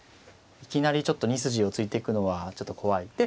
いきなりちょっと２筋を突いていくのはちょっと怖い。